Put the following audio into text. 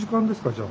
じゃあ。